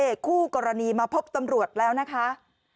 คู่กรณีมาพบตำรวจแล้วนะคะ